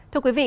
thưa quý vị